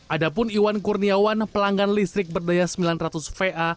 ada pun iwan kurniawan pelanggan listrik berdaya sembilan ratus va